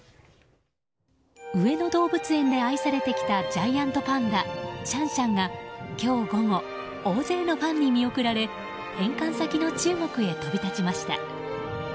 上野動物園で愛されてきたジャイアントパンダシャンシャンが今日午後大勢のファンに見送られ返還先の中国へ飛び立ちました。